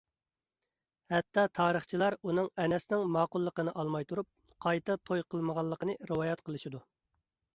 ھەتتا تارىخچىلار ئۇنىڭ ئەنەسنىڭ ماقۇللۇقىنى ئالماي تۇرۇپ، قايتا توي قىلمىغانلىقىنى رىۋايەت قىلىشىدۇ.